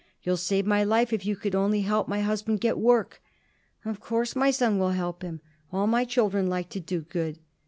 You'll save my life if you could only help my husband get work." "Of course my son will help him. All my children like to do good.